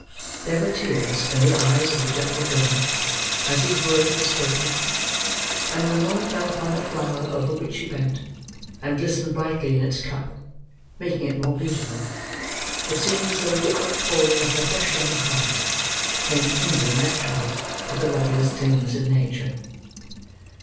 There were tears in the eyes of the gentle girl, as these words were spoken; and when one fell upon the flower over which she bent, and glistened brightly in its cup, making it more beautiful, it seemed as though the outpouring of her fresh young heart, claimed kindred naturally, with the loveliest things in nature.